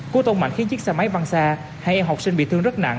cú tông mạnh khiến chiếc xe máy văng xa hai em học sinh bị thương rất nặng